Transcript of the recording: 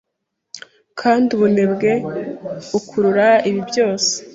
kandi ubunebwe bukurura ibibi byose